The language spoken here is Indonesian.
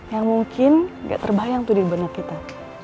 yang mungkin gak terbayang tuh di benak kita